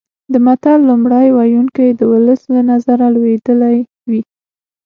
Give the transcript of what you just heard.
د متل لومړی ویونکی د ولس له نظره لوېدلی وي